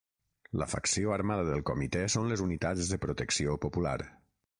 La facció armada del comitè són les Unitats de Protecció Popular.